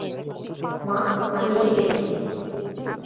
মা, আমি এসে গেছি!